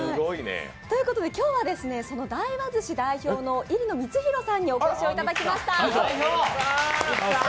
今日はその大和寿司代表の入野光広さんにお越しいただきました。